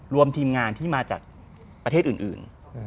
รวมทีมงานที่มาจากประเทศอื่น